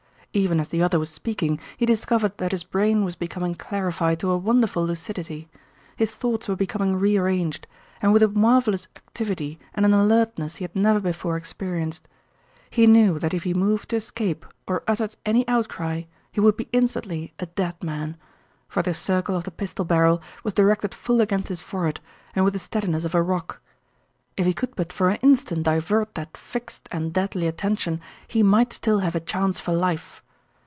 Even as the other was speaking he discovered that his brain was becoming clarified to a wonderful lucidity; his thoughts were becoming rearranged, and with a marvelous activity and an alertness he had never before experienced. He knew that if he moved to escape or uttered any outcry he would be instantly a dead man, for the circle of the pistol barrel was directed full against his forehead and with the steadiness of a rock. If he could but for an instant divert that fixed and deadly attention he might still have a chance for life.